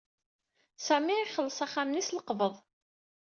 Sami ixelleṣ axxam-nni s lqebḍ.